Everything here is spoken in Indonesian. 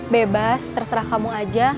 bebas terserah kamu aja